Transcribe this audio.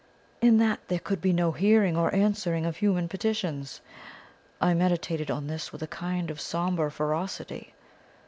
In that there could be no hearing or answering of human petitions. I meditated on this with a kind of sombre ferocity.